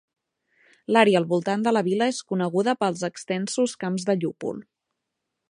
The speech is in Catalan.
L'àrea al voltant de la vila és coneguda pels extensos camps de llúpol.